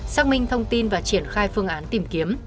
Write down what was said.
xác minh thông tin và triển khai phương án tìm kiếm